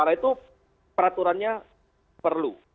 nah itu peraturannya perlu